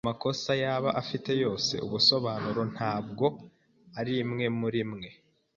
Amakosa yaba afite yose, ubusobanuro ntabwo arimwe murimwe.